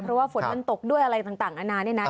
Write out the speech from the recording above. เพราะว่าฝนมันตกด้วยอะไรต่างนานา